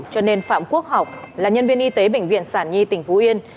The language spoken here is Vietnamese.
cho nên phạm quốc học là nhân viên y tế bệnh viện sản nhi tỉnh phú yên